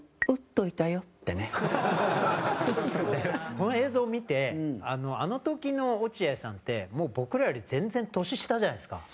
この映像を見てあの時の落合さんってもう、僕らより全然、年下じゃないですか。